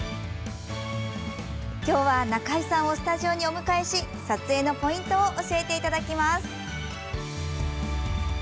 今日は、中井さんをスタジオにお迎えし撮影のポイントを教えていただきます。